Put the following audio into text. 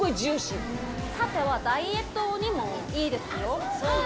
サテはダイエットにもいいですよ。